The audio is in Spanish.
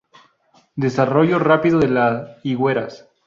Desarrollo rápido de la higueras.